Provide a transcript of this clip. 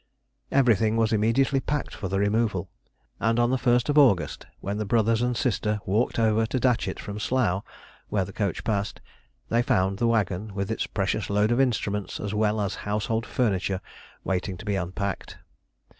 _] Everything was immediately packed for the removal, and on the 1st of August, when the brothers and sister walked over to Datchet from Slough (where the coach passed), they found the waggon, with its precious load of instruments, as well as household furniture, waiting to be unpacked.